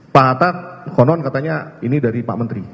pak hatta konon katanya ini dari pak menteri